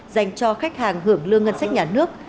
dành cho khách hàng hưởng lương ngân sách nhà nước